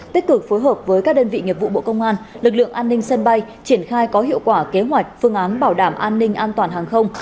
tích cực phối hợp với các đơn vị nghiệp vụ bộ công an lực lượng an ninh sân bay triển khai có hiệu quả kế hoạch phương án bảo đảm an ninh an toàn hàng không